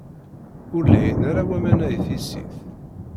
Ur lhin ara waman-a i tissit.